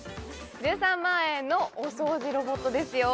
１３万円のお掃除ロボットですよ